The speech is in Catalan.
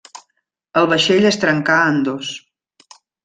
El vaixell es trencà en dos.